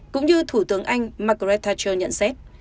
cũng như thủ tướng anh margaret thatcher nhận xét